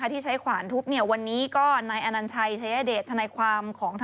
ที่ใช้ขวานทุบวันนี้ก็นายอนัญชัยชายเดชทนายความของ